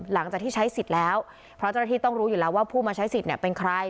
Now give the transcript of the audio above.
หลังจากที่ใช้สิทธิ์แล้วเพราะเจ้าหน้าที่ต้องรู้อยู่แล้วว่าผู้มาใช้สิทธิ์เป็นใคร